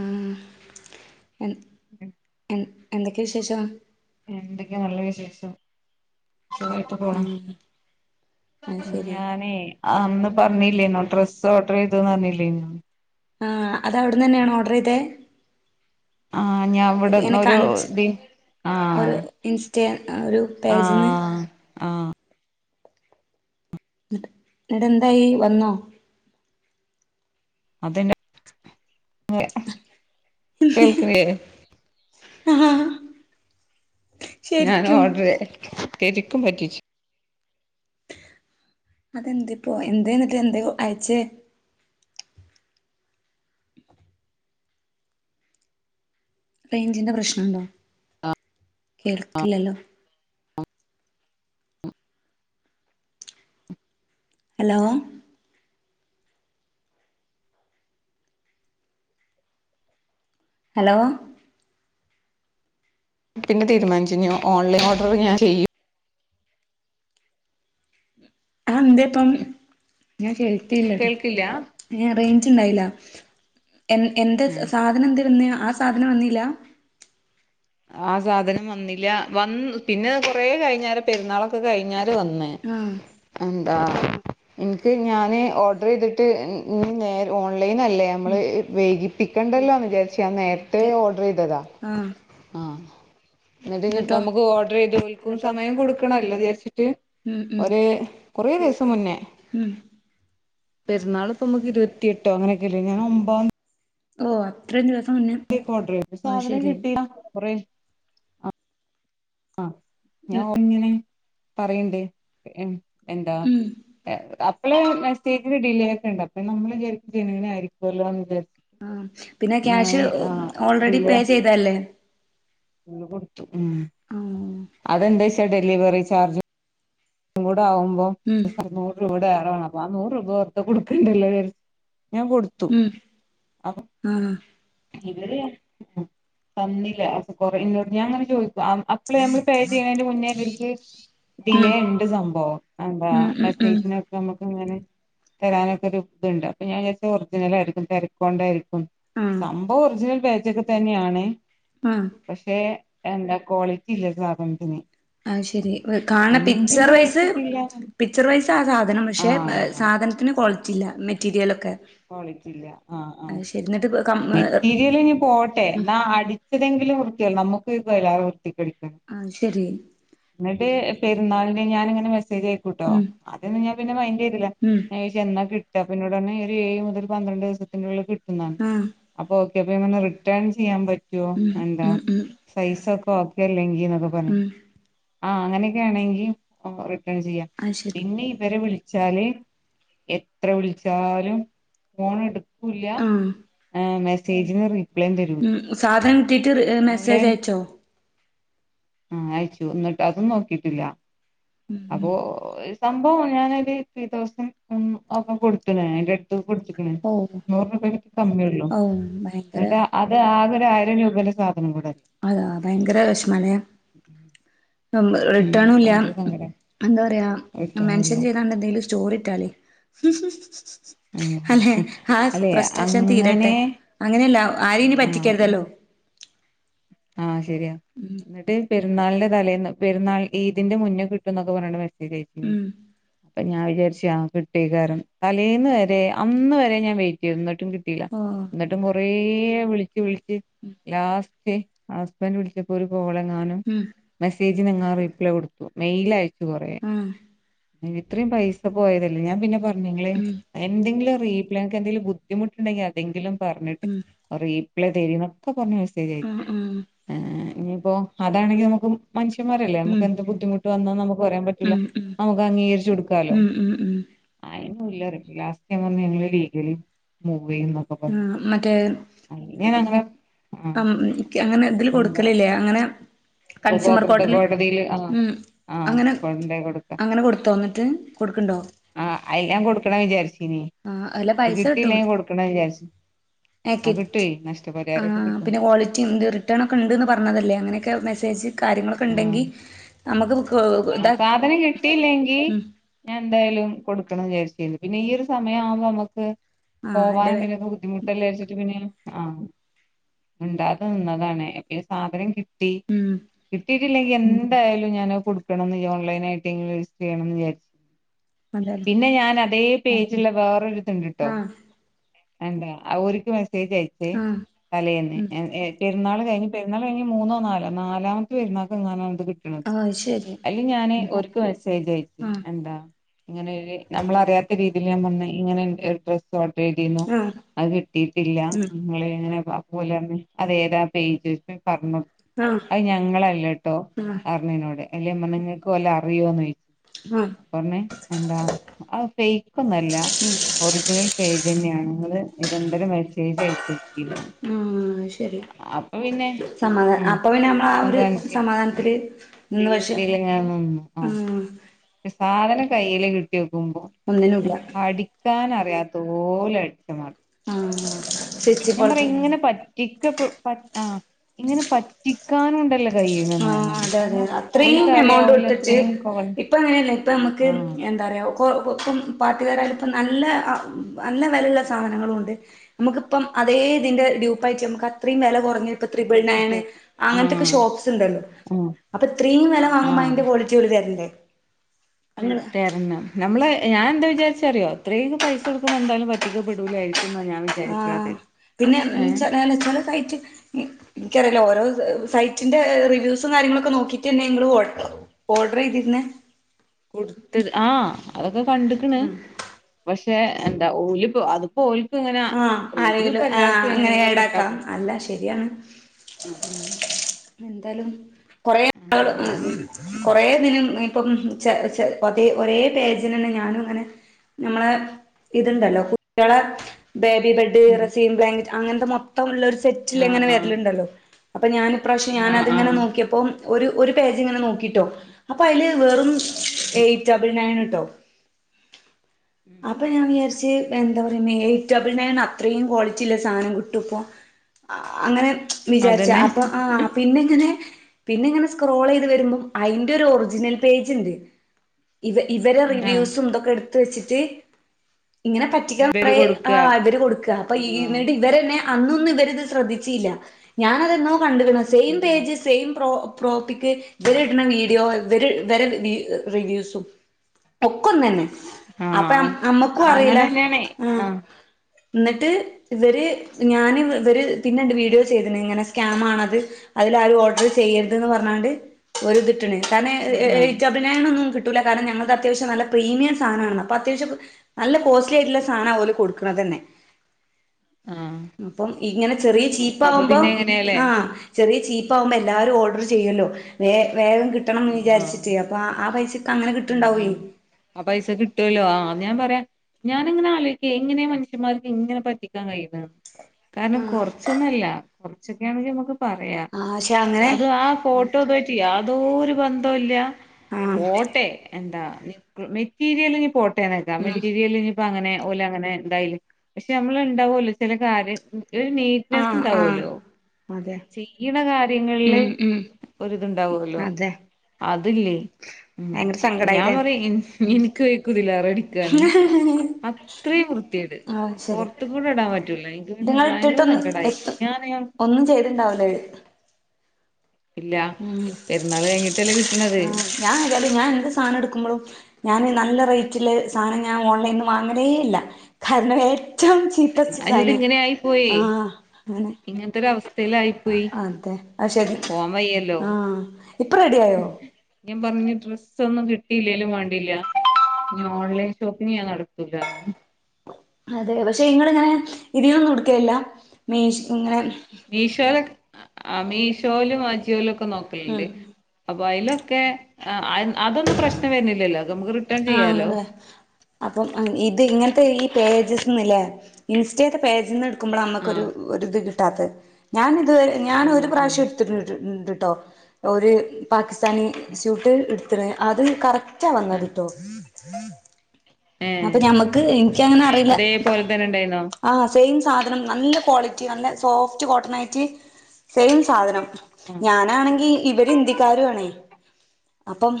ഉ എൻ ഉ എൻ എന്തൊക്കെയ വിശേഷം എന്തൊക്കെയാ നല്ല വിശേഷം സുഖായിട്ട് പോണു ആഹ് അത് ശരി ഞാനേ അന്ന് പറഞ്ഞില്ലേന്നോ ഡ്രസ്സ് ഓർഡർ ചെയ്ത പറഞ്ഞില്ലേനോ ആഹ് അത് അവിടുന്നന്നെയാണ് ഓർഡർ ചെയ്തേ ആഹ് ഞാൻ എന്നെ ഇവിടന്നൊരു കാണിച്ച് ദി ആഹ് ഒരു ഇൻസ്റ്റ ഒരു പേജിന്ന് ആഹ് ആഹ് ന്നിട്ട് ന്നിട്ട് എന്തായി വന്നോ അതന്ന ആ ഞാൻ ഓർഡർ [unintelligible] പറ്റിച്ചു അതെന്ത് ഇപ്പോ എന്തേ എന്നിട്ട് എന്തേ അയച്ചേ റേഞ്ചിന്റെ പ്രശ്നുണ്ടോ കേൾക്കില്ലല്ലോ ഹലോ ഹലോ പിന്നെ തീരുമാനിച്ചു ഓൺലൈൻ ഓർഡർ ഞാൻ ചെയ്യൂ ആഹ് എന്തേപ്പം ഞാൻ കേട്ടില്ലടി [unintelligible] കേൾക്കില്ല [unintelligible] ണ്ടായില്ല എന്ത് ആഹ് സാധനം എന്ത് വന്നയാ ആ സ സാധനം വന്നില്ലാ ആ സാധനം വന്നില്ല വന്ന് പിന്നെ കൊറെ കഴിഞ്ഞാല് പെരുന്നാളൊക്കെ കഴിഞ്ഞാല് [unintelligible] വന്നേ ആഹ് എന്താ എനിക്ക് ഞാന് ഓർഡർ ചെയ്തിട്ട് ഇ നേർ ഓൺ [unintelligible] അല്ലേ നമ്മള് ഉം വൈകി പിക്കണ്ടല്ലോന്ന് വിചാരി ഞാൻ നേരത്തെ അതെ. ഓർഡർ ചെയ്തതാ ആഹ് ആഹ് എന്നിട്ട് ഇനി എന്നിട്ടോ നമ്മുക്ക് ഓർഡർ ചെയ്ത് പോയി സമയം കൊടുക്കണല്ലോ [unintelligible] ഉം [unintelligible] ഉം ഒര് കുറേ ദിവസം മുന്നേ ഉം പെരുന്നാളിപ്പം നമുക്ക് ഇരുപത്തിയെട്ടോ അങ്ങനെയൊക്കെല്ലേ ഞാൻ ഒമ്പ ഓ അത്രയും ദിവസ ഓർഡർ ചെയ്ത് സാധനം കിട്ടിയ കൊറേ ഉം എങ്ങനെ പറയിണ്ട് എന്താ ഉം അപ്പളെ മെസ്സേജിന് ഡിലേ ആക്കണ്ട് അപ്പൊ നമ്മള് വിചാരിക്കും ഇങ്ങനെ ആയിരിക്കുമല്ലോന്ന് വിചാരി ആ പിന്നെ ക്യാഷ് ഓൾറെഡി ഡിലേ പേ ചെയ്തത് അല്ലേ [unintelligible] ഉം ആഹ് അതെന്താ വെച്ചാ ഡെലിവറി ചാർജ് [unintelligible] [unintelligible] ഉം [unintelligible] ആ നൂറ് രൂപ ഓർത്താ കൊടുക്കണ്ടല്ലേ ഞാൻ കൊടുത്തു ഉം അ ആഹ് ഇവര് തന്നില്ല കൊറേ ഇങ്ങോട്ട് ഞാൻ അങ്ങനെ ചോദിക്കും അപ്പള് നമ്മൾ പേ ചെയ്യണതിന്റെ മുന്നേ ഇവർക്ക് ഉം [unintelligible] സംഭവം എന്താ ഉം ഉം ഉം മെസ്സേജിനൊക്കെ നമുക്ക് ഇങ്ങനെ തരാനൊക്കെ ഒരു ഇതിണ്ട് അപ്പൊ ഞാൻ വിചാരിച്ചു ഒറിജിനൽ ആയിരിക്കും തിരക്ക് കൊണ്ടായിരിക്കും ആഹ് സംഭവം ഒറിജിനൽ പേജ് ഒക്കെ തന്നെയാണ് ആഹ് പക്ഷെ എന്താ ക്വാളിറ്റി ഇല്ല സാധണത്തിന് ആഹ ശെരി കാണ പിക്ചർ വൈസ് പൈസക്കില്ല പിക്ചർ വൈസ് ആ സാധനം പക്ഷേ ആഹ് സാധനത്തിന് ക്വാളിറ്റി പറ്റില്ല മെറ്റീരിയലൊക്കെ ക്വാളിറ്റില്ല ആ ആ അത് ശരി എന്നിട്ട് കം മെറ്റീരിയൽ ഇനി പോട്ടെ എന്നാ അടിച്ചതെങ്കിലും കുൃക്കയ നമുക്ക് [unintelligible] അത് ശരി എന്നിട്ട് പരുന്നാളി ഞാനങ്ങെ മ് ആയിക്കോട്ടോ ഉം അതന്ന ഞാ പിന്നെ മൈൻഡ് ചെയ്തില്ല ഉം ഞ ചെന്ന കിട്ട അ പിന്നോടന്ന മുതൽ പന്ത്രണ്ട് ദിവസത്തിനുള്ള കട്ട ആഹ് അപ്പൊ ഇെ റിട്ടേൺ ചെയാൻ പറ്റും ഉം ഉം ഉം [unintelligible] ഓക്കെ അല്ലെങ്കിൽ ഉം [unintelligible] ആ അങ്ങനെയൊക്കെ ആണെങ്കിൽ അങ്ങനെ ചെയ്യാം അത് ശരി പിന്നെ ഇവരെ വിളി വിച്ചാല് എത്ര വിളിച്ചാലും ഫോൺ എടുത്തു [inaudible] എടുക്കൂല ആഹ് മെസ്സേജ് [unintelligible] ഉം സാധനം കിട്ടീട്ട് മെസ്സേജ് അയച്ചോ ആഹ അയച്ചു എന്നന്നിട്ട് അതും നോക്കിട്ടില്ല ഉം അപ്പൊ സംഭവം ഞാനൊരു ത്രീ തൗസാൻഡ് ഒക്കെ കൊടുത്തന ഓ ഔ ഭയങ്കര അറെ [unintelligible] ആയിരം രൂപയുടെ സാധനം കൂട അതാ ഭയങ്കര മന ഉം റിട്ടേണുംല്ല ഭയങ്കര സങ്കടം എന്താ പറയാ കിട്ടാനുല്ല മെൻഷൻ ചെയ്തണ്ട് എന്തെിലും ചോറിട്ടാലേ ഉം അല്ലെ ആഹ അല്ലെ പ്രശ്നം അങ്ങനെ തീരട്ടെ അങ്ങനെയല്ല ആരെയും ഇനി ആഹ് ഇൻ പറ്റിക്കരുതല്ലോ ആഹ് ശരിയാ എന്നിട്ട് പെരുന്നാളിന്റെ തലേന്ന് പെരുന്നാൾ ഈദിന്റെ മുന്നേ കിട്ടന്ന് ഒക്കെ പറയുന്നുണ്ട് ച്ച ഉം [unintelligible] അപ്പൊ ഞാൻ വിചാരിച്ച് ആഹ് കിട്ടീ കാരൻ തലേന്ന് വരെ അന്ന് വരെ ഞാൻ വെയിറ്റ് ചെയ് ന്നിട്ടും കിട്ടില ഓ എന്നിട്ടും കുറേ ള [unintelligible] വിളിച്ച് ലാസ്റ്റ് [inaudible] ഹസബൻ്റ് വിളിച്ചപ്പോ ഒരു കോള് [inaudible] ഉം ങ്ങൾ റിപ്ലൈ കൊടുത്ത മെയിൽ അയ ആഹ് ഇത്രയും പൈസ പോയതല്ലേ ഞാൻ പിന്നെ പറ എന്തെങ്കി ഉം എന്തെങ്കിലും എന്തെങ്കിലും ബുദ്ധിമുട്ടണ്ടെങ്കിൽ അതെങ്കിലും പറഞ്ഞിട്ട് ഉം അറി [unintelligible] എന്നൊക്കെ പറഞ്ഞ ഉം ഉം ഇനിയിപ്പോ അതാണെങ്കി നമുക്ക് മനുഷ്യമാരല്ലേ ഉം നമുക്ക് എന്ത് ബുദ്ധിമുട്ട് വന്ന നമുക്ക് പറയാൻ പറ്റൂല്ല ഉം നമുക്ക് അംഗീകരിച്ചു കൊടുക്കാലോ ഉം ഉം ഉം ഉം ലാസ്റ്റ് ഞാൻ പറഞ്ഞ് നിങ്ങൾ ലീഗലി ന്നൊകെ പറഞ്ഞ് ആഹ് അങ്ങ ആഹ് അങ്ങനെ എതില് കൊടുക്കലില്ലേ അങ്ങനെ അപ്പ കൺസ്യൂമർ പോക്കുന്നത് കോർട്ടില് കോടതിൽ ആ ഉം ആഹ് അങ്ങനെ കൊടു കൊടുക്ക അങ്ങനെ കൊടുത്തോ എന്നിട്ട് കൊടുക്ക്ണ്ടോ ആ അ ഞാൻ കൊടുക്കണമെന്ന് വിചാരിച്ച ആ അല്ല പൈസ കിട്ടും വിചാരിച്ചു ആഹ് ആക്കറ്റ് കിട്ടുവേ ആ നഷ്ടപരിഹാരൊക്കെ കിട്ടും പിന്നെ ക്വാളിറ്റി ഉണ്ട് റിട്ടേൺ ഒക്കെ ഉണ്ട്ന്ന് പറഞ്ഞതല്ലേ അങ്ങനെയൊക്കെ മെസ്സേജ് അയ കാര്യങ്ങളൊക്കെ ആഹ് ഉണ്ടെങ്കി നമുക്ക് ഇത് ആഹ് സാധനം കൊടുക്കണമെന്ന് വിചാരിച്ചിരുന്നു പിന്നെ ഈ ഒരു സമയം ആവുമ്പോ നമക്ക് ആഹ് പോവാൻ എന്റെ എന്തെങ്കിലുമൊക്കെ ബുദ്ധിമുട്ടല്ലേ അരിച ആഹ് മിണ്ടാതെ നിന്നതാണ് പിന്നെ സാധനം കി ഉം കിട്ടിയിട്ടില്ലെങ്കി എന്തായാലും ഞാനത് കൊടുക്കണം എന്ന് വിചാ അതെല്ലേ പിന്നെ ഞാൻ അതേ പേജില വേറൊരു [unintelligible] ആഹ് എന്താ ഓരിക്കും മെസേ ജയച്ചേ ആഹ് തലേന്ന് ഉം പെരുന്നാള് ഇനി പെരുന്നാള് കഴിഞ്ഞ് മൂന്നോ നാലോ നാലാം [unintelligible] ആഹ് അത് ശരി അതില് ഞാന് ഉം ഓര്ക്ക് മെസ്സേജ് അയച്ചു ആഹ് എന്താ ഇങ്ങനെ ഒര് നമ്മളറിയാത്ത രീതിയിൽ വന്ന ഇങ്ങനെ ഒരു [unintelligible] ആഹ് അത് കിട്ടിയിട്ടില്ല ഉം നിങ്ങളെങ്ങനെ [unintelligible] അതുപോലെ തന്നെ അതേതാ പേജ് പറഞ്ഞോ ആഹ് അത് ഞാ നിങ്ങളല്ലട്ടോ ആഹ് അറിണിനോട് അല്ലേമ്മ നിങ്ങക്ക് വല്ലോം അറിയുമോ ആഹ് അപ്പപ്പറഞ്ഞ് എന്താ അത് ഫേക്ക് ഒന്നല്ല ഒറിജിനൽ പേജ് തന്നെയാണ് നിങ്ങള് നിരന്തരം മെസ്സേജ് അയക്കും ഉം ശരി പിന്നെ സമാധാന ഉം അപ്പൊ പിന്നെ ആ ഒരു സമാധാനത്തില് നിന്ന് പക്ഷെ ണ്ടീൽ ഞാൻ വന്നു. ഉം ആഹ്. സാധനം കയ്യില് കിട്ടിയോ [unintelligible] ഒന്നിനുല്ല അടി ക്കാൻ അറിയാത്തപോല അടിച്ച മതി [unintelligible] റ്റിക്ക പ ആ ഇങ്ങനെ പറ്റിക്കാനും ഉണ്ടല്ല ആഹ് അതെ അതെ അത്രയും ഓൽക്കറിയാ എമൗണ്ട് ഓല് കൊടുത്തിട്ട് അത്രയും കോൺ ഇപ്പ എങ്ങനെയല്ല ഇപ്പ നമുക്ക് ആ എന്താ പറയാ ഒപ്പം പാട്ടു കാരായാലും ഇപ്പ നല്ല നല്ല വിലയുള്ള സാധനങ്ങളും ഉണ്ട് നമുക്കിപ്പം അതേ ഇതിന്റെ ഡ്യൂപ്പായിട്ട് നമുക്ക് അത്രയും വില കുറഞ്ഞ ഇപ്പൊ ത്രിബിൾ നയണ് കിട്ടും ആ അങ്ങനുത്തൊക്കെ ഷോപ്സ് ട്ടുണ്ടല്ലോ ആ അപ്പൊ ഇത്രയും വില ആ വാങ്ങുമ്പോൾ അതിന്റെ ക്വാളിറ്റി ഇവര് തരണ്ടേ അങ്ങനെ തരണം നമ്മള് ഞാൻ എന്താ വിചാരിച്ചറിയോ ഇത്രയും പൈസ കൊടുക്ക്മ്പ എന്തായാലും പറ്റിക്കപ്പെടൂലായിരിക്കും എന്നാ ഞാൻ ആ വിചാരിക്കണത് പിന്നെ ഏ [unintelligible] നിക്കറില ഓരോ സ സൈറ്റിന്റെ റിവ്യൂസും കാര്യങ്ങളൊക്കെ നോക്കീട്ട്ന്നെങ്ങള് ഓർഡർ ചെയ്തിരുന്നെ കൊടുത്തത് ആ അതൊക്കെ കണ്ട്ക്ക്ണ് ഉം പക്ഷെ ക്ഷെ എന്താ ഓലിപ്പൊ അതിപ്പോൽ ആ ആരെങ്കിലും ആ അങ്ങനെ എങ്ങനെയെങ്കിലും ഒക്കെ ഏടാക്കാം ഇണ്ടാക്കും അല്ല ശരിയാണ് ഉം എന്തായാലും കൊറെേ അങ്ങനെ ആൾ ഉം വിചാരിച്ച് കൊറേ ദിനം ഇപ്പം ചെ ചെ ഒതേ ഒരേ പേജിനന്നെ ഞാനും ഇങ്ങനെ നമ്മളെ ഇതുണ്ടല്ലോ കുട്ട്യാളെ ബേബി ബെഡ് ഉം റസീം ബ്ലാക് അങ്ങനത്തെ മൊത്തം ഉള്ളൊരു സെറ്റിൽ ആഹ് എങ്ങനെ ആഹ് വരലുണ്ടല്ലോ അപ്പൊ ഞാന് ഇപ്രാവിശ്യം ആഹ് ഞാനത്ങ്ങനെ ആഹ് നോക്കിയപ്പോ ഒരു ഒരു പേജ്ങ്ങനെ നോക്കിട്ടോ അപ്പൊ അയ്ല് വെറും ഉം ഏറ്റ് ഡബൾ നൈൻ ട്ടൊ ഉം അപ്പൊ ഞാൻ വിചാരിച്ച് എന്ത ന്തറ്യ മ്മേ ഡബിൾണയണ് അത്രയും ക്വാളിറ്റില്ല സാനം കിട്ടാേ പ്പൊ അങ്ങനെ വിചാരിച്ച അതന്നെ അപ്പൊ ആ പിന്നെ ഇങ്ങനെ പിന്നെ ഇങ്ങനെ സ്ക്രോളെയ്ത് വരുമ്പം അയ്ന്റൊരു ഒറിജിനൽ പേജ്ണ്ട് ഇവ ഇവരെ ആഹ് റിവ്യൂസും തൊക്കെട് ത്ത് വെച്ചിട്ട് ഇങ്ങനെ പറ്റിക്ക ഇവര് കൊറേ കൊടുക്ക ആ ഇവര് കൊട്ക്ക അപ്പൊ ഇ ആഹ് നീട്ടവരന്നെ അന്നൊന്നും ഇവരിത് ശ്രദ്ധിച്ചീല്ല ഞാനതെന്നോ കണ്ട്ക്ണ് സേയിം ഉം പേജ് സേയിം പ്രോ പ്രോപ്പിക്ക് വരിട്ണ വീഡിയോ വര് വരെ റിവ്യൂസും ഒക്കൊന്നന്നെ അപ്പെ അ ആഹ് അമ്മക്കും അറീല അങ്ങനെന്നെയാണേ ആ ആഹ് ന്ന്ട്ട് ഇവര് ഞാന് ഇവര് പിന്നെണ്ട് വീഡിയോ ചെയ്ത്‌ണ് ഇങ്ങനെ സ്കാമാണത് അതിലാരും ഓർഡർ ചെയ്യരുത് ന്ന് പറഞ്ഞാണ്ട് ഒര് തിട്ട്ണ് എ എയ് ആഹ് ചബ്ളയണൊന്നും കി ട്ടൂല കാരണം ഞങ്ങൾതത്യാവശ്യം നല്ല പ്രീമീയം സാനാണ് അപ്പൊ അത്യാവശ്യം നല്ല കോസ്റ്റ്ലി ആയിട്ട്ള്ള സാനാ ഓല് കൊട് ക്ക്ണതന്നെ ആഹ് അപ്പം ഇങ്ങനെ ചെറിയ അപ്പൊ ചീപ്പാകുമ്പം പിന്നെ എങ്ങനെയാല്ലേ ആ ചെറിയ ചീപ്പ് പ്പാവുമ്പോ എല്ലാരും ഓഡറ് ചെയ്യാേല്ലോ വേ വേഗം കിട്ട ട്ടണംന്ന് ആഹ് വിചാരിച്ചിട്ടെ അപ്പ ആ പൈസ ഉം അ പൈസ കിട്ടാേലോ ആ അത് ഞാൻ പറ്യാ ഞാാനിങ്ങനെ ആലോയിക്കെ എങ്ങനെ മനുഷ്യന്മാർക്ക് ഇങ്ങനെ പറ്റിക്കാൻ കഴിയുന്നെന്ന്‌ കാരണം ആഹ് കൊറച്ചൊന്നല്ല കൊറച്ചൊക്ക ആണെങ്കിമ്മക്ക് പറയാം ആഹ് പക്ഷെ അങ്ങനെ അത് ആ ഫോട്ടോതൊയ് യാതൊരു ബന്ധോല്ല ആഹ് പോട്ടെ എന്താ മെറ്റി മെറ്റീരിയലെലും പോ നക്കാ ഉം മെറ്റീരിയല് ഇനിപ്പ അങ്ങനെ ഓലങ്ങനെ ഇണ്ടായില് പക്ഷെ നമ്മള് ഇണ്ടാവൊല്ലോ ചെല കാര്യം ഒരു നീറ്റ്നെസ് ആഹ് ആഹ് ഇണ്ടാവോലോ അതെ ചെയ്യ്ണ കാര്യങ്ങളില് ഉം ഉം ഒരിതുണ്ടാവോലോ അതെ അതില്ലേ ഉം ഭയങ്കര ഞാൻ സങ്കടായില്ലേ പറയും ഇൻ എനിക്ക് [unintelligible] കുതിലാറ അടിക്കാനും അത്രയും വൃത്ത്യേട് ആഹ് ശരി പൊറത്തെ കൂടെ ഇടാൻ പറ്റൂല എനിക്ക് പിന്നെ ഇത്ങ്ങൾ ഭയങ്കര സങ്കടമായി ഞാൻ [unintelligible] ഇണ്ടാവുലേ ഇല്ല പെരുന്നാൾ കഴിഞ്ഞിട്ടല്ലേ കിട്ടണത് ആഹ് ഞാൻ വിചാരിക്കും ഞാൻ എന്ത്‌ സാനം എടുക്കുമ്പോഴും ഞാന് നല്ല റേറ്റില് സാനം ഞാൻ ഓൺലൈനിന്ന് വാങ്ങലേ ഇല്ല കാരണം ഞാൻ ഏറ്റം ചീത്ത ച്ചി അയിനിത് സാധന ഇങ്ങനെ ആയി പോയേ ആഹ് അങ്ങനെ ഇങ്ങനത്തെ ഒരു അവസ്ഥയിലായി അ പോയി അതെ ആ ശരി പോവാൻ വയ്യല്ലോ ആഹ് ഇപ്പൊ റെഡി ആയോ [unintelligible] പറഞ്ഞ ഡ്രസ്സ്‌ ഒന്നും കിട്ടിയില്ലെലും വേണ്ടില്ല ഇനി ഓൺലൈൻ ഷോപ്പിങ് ഞാൻ നടത്തുലാന്ന് അതെ പക്ഷെ ഇങ്ങളിങ്ങനെ ഇതിന്നൊന്നും എടുക്കലില്ല മീശ് ഇങ്ങനെ മീഷോലൊക് ആഹ് മീഷോലും അജിയോലുംക് ക്കെ നോക്കലുണ്ട് ഉം അപ്പൊ അയ്ലൊക് ക്കെ [unintelligible] അതൊന്നും പ്രശ്നം വരണില്ലല്ലോ അത് നമക്ക് റിട്ട് ആഹ അതെ അപ്പം ഇത് ഇങ്ങനത്തെ ഈ പേജസ്ന്നല്ലേ ഇൻസ്റ്റത്തെ പേജ്ന്ന് ക്കുമ്പോളാ നമ്മക്കൊരു ആഹ് ഇത് ട്ടത് ഞാൻ അത് ആഹ് ഞാനൊരു ആഹ് പ്രാവശ്യം എടുത്തിട്ട്ൺണ്ട് ട്ടോ ഓര് പാക്സ്ഥ തനി സ്യൂട്ട് ഇ [unintelligible] അതും കറക് റ്റാ വന്നത് ആഹ് അപ്പൊ ഏഹ് ഞമ്മക്ക് എനിക്കങ്ങനെ അറിയില്ല അതേപോലെ തന്നെ ഉണ്ടായിന്നോ ആ സെയിം സാധനം നല്ല ക്വാളിറ്റി നല്ല സോഫ്റ്റ് കോട്ടൺ ആയിട്ട് സെയിം സാധനം ആഹ് ഞാനാണെങ്കി ഇവര് ഇന്തിക്കാരു ആണേ അപ്പം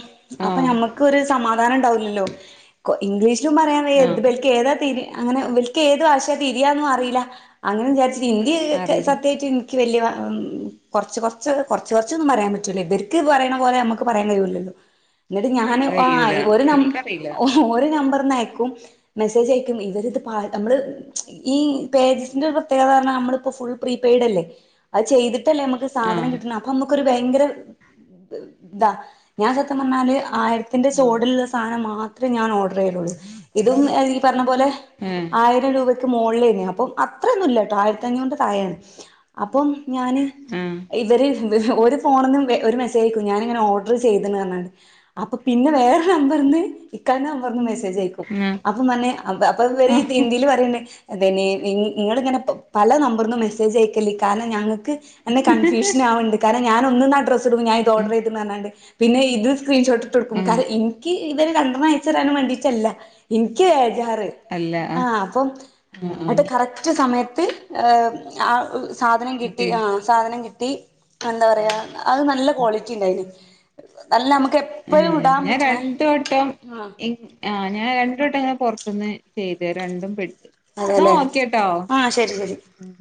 അപ്പൊ ആഹ് നമ്മുക്കരു സമാ- പ്ലാനുണ്ടാവില്ലല്ലോ കൊ ഇംഗ്ലീഷ് ഷും പറയാ വയ്യ ഇത് ആഹ് ഇബാൾക്ക് തിരി അങ്ങനെ ഇവൽക്ക് ഏത് ഭാഷയാ തിരിയാന്നും അറിയില്ല അങ്ങനെ വിചാരിച്ച ഹിന്ദി അറിയില്ല സത്യായ്റ്റും എൻ വല്യ വ കുറച്ച് കുറച്ച് കുറച്ചൊന്നും പറയാൻ പറ്റുല ഇവർക്ക് പറയണ പോലെ നമുക്ക് പറയാൻ കഴിയല്ലല്ലോ എന്നിട്ട്ഞാന് ആ കഴിയൂല ഒരു നമ്പ എനിക്കറിയില്ല ഒരു നമ്പറ് അയക്കും മെസ്സേജ് അയക്കും ഇവരിത് പാ നമ്മളെ ഈ പേജിസിന്റ പ്രീതിയേഗത പറഞ്ഞാനമ്മൾ ഫുൾ പ്രീപൈഡ് അല്ലേ അത് ചെയ്തിട്ട് കട്ടല്ലേ നമക്ക് സാധം ആഹ് കിട്ടണ അപ്പ നുക്ക് ഒരു ഭയങ്കരാ താ ഞാൻ സത്യം പറഞ്ഞാല് ആയിരത്തിന്റെ ആഹ് ചോടിലുള്ള സാധനം മാത്ര ഇത്ര ഞാ ഓർ ചെയ്തളൂ ഇതും ഈ പറഞ്ഞ ലെ ഏഹ് ആയിരം രൂപ മോളിയിനെ അത്രൊന്നുമിഇല്ല കേട്ടോ ആയിരത്തി അഞ്ഞൂന്റെ താഴെയാണ് അപ്പം ഞാന് ആഹ് ഇവര് ഒരു ഫോണ നിന്ന് ഒരു മെസ്സേജ് ആയക്കും ഞാനിനെ ഓർഡർ ചെയ്തന്ന് പറഞ്ഞണ്ട് അപ്പൊ പിന്നെ വേറെ നമ്പർൽന്ന് ഇക്കന്റെ നമ്പർ നിന്ന് മെസ്സേജ് ആഹ് അപ്പൊ മന്നെ അപ്പൊ ആഹ് ഇത് ഇന്പറയണ്ടേ അതെ ന്നെ നിങ്ങള ഇങ്ങനെ പല നമ്പറിന്നും മെസ്സേജ് അയക്കല്ലേ കാരണം ഞങ്ങ ക്ക് കൺഫ്യൂഷൻ ആവണ്ട് കാര ഞാന ഒന്നും ആഹ്ഡ്രസ്സ് ഇവിടുന്നു ഞാൻ ഇത് ഉം ഓർഡർ പിന്നെ ഇത് സ്ക്രീൻഷോട്ട് ഇട്ടു കൊടുക്കും ആഹ് കാര്യം ഇനിക്ക് ഇതൊരു രണ്ടെണ്ണം അയച്ചുതരാൻ വേണ്ടീട്ടല്ല എനിക്ക് ക്കാറ് അല്ല ആ ആഹ് അപ്പം ആഹ് ആഹ് കറക്റ്റ് സമയത്ത് [unintelligible] സാധനം കിട്ടി ആ സാധനം കിട്ടി എന്താ പറയാ അത് നല്ല ക്വാളിറ്റി ഉണ്ടായിന് നല്ല എപ്പഴും ഏഹ് ഇടാൻ ഞാൻ പറ്റണേ രണ്ടുവട്ടം ആ ഇആ ഞാൻ രണ്ടു വട്ടം ഇങ്ങനെ പുറത്തുന്ന് ചെയ്ത് രണ്ടും പോയി അതേല്ലേ ആഹ് ശെരി ശെരി ഉം